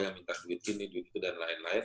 yang minta duit ini duit itu dan lain lain